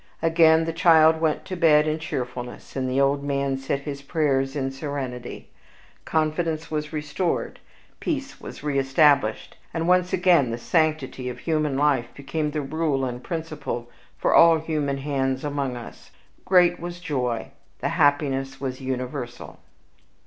Again the child went to bed in cheerfulness, and the old man said his prayers in serenity. Confidence was restored; peace was re established; and once again the sanctity of human life became the rule and the principle for all human hands among us. Great was the joy; the happiness was universal.